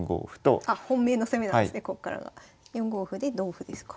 ４五歩で同歩ですか。